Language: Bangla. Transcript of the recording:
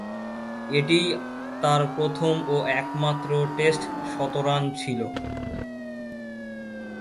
এটিই তার প্রথম ও একমাত্র টেস্ট শতরান ছিল।